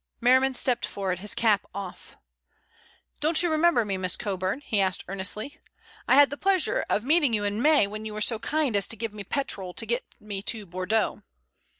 Merriman stepped forward, his cap off. "Don't you remember me, Miss Coburn?" he said earnestly. "I had the pleasure of meeting you in May, when you were so kind as to give me petrol to get me to Bordeaux."